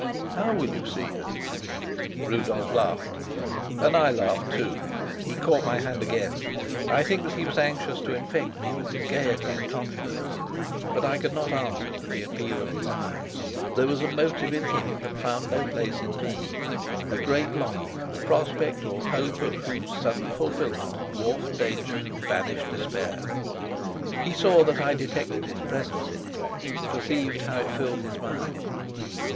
"How will you see her?" Rudolf laughed, and I laughed too. He caught my hand again. I think that he was anxious to infect me with his gayety and confidence. But I could not answer to the appeal of his eyes. There was a motive in him that found no place in me a great longing, the prospect or hope of whose sudden fulfilment dwarfed danger and banished despair. He saw that I detected its presence in him and perceived how it filled his mind.